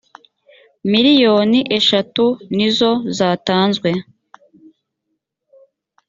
miliyoni eshatu nizo zatanzwe